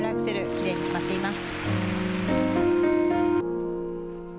きれいに決まっています。